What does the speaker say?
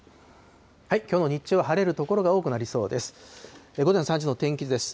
きょうの日中は晴れる所が多くなりそうです。